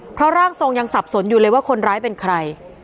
เพราะร่างทรงยังสับสนอยู่เลยว่าคนร้ายเป็นใคร